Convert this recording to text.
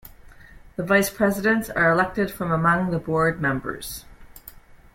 The vice presidents are elected from among the board members.